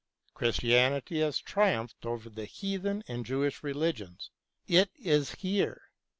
Christianity has triumphed over the Heathen and Jewish Religions. It is here.